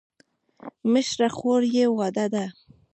مشره خور یې واده ده.